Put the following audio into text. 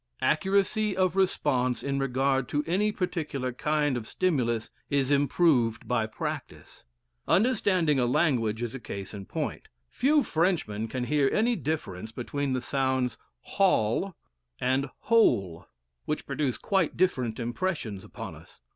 Accuracy of response in regard to any particular kind of stimulus is improved by practice. Understanding a language is a case in point. Few Frenchmen can hear any difference between the sounds "hall" and "hole," which produce quite different impressions upon us.